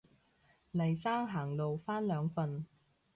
黎生行路返兩份